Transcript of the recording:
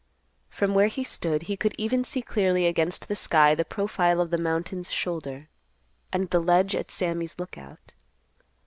From where he stood, he could even see clearly against the sky the profile of the mountain's shoulder, and the ledge at Sammy's Lookout.